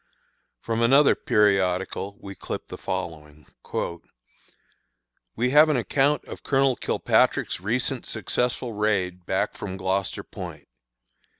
From another periodical we clip the following: "We have an account of Colonel Kilpatrick's recent successful raid back from Gloucester Point.